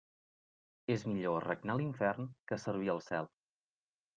És millor regnar a l'infern que servir al cel.